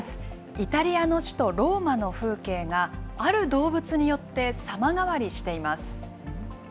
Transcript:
イタリアの首都ローマの風景が、ある動物によって様変わりしています。